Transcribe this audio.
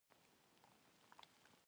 وژنه د بېعدالتیو پایله ده